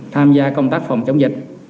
tham gia công tác phòng chống dịch